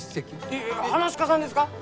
いや噺家さんですか！？